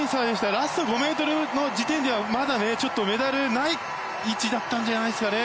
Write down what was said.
ラスト５ｍの時点ではまだメダルがない位置だったんじゃないですかね。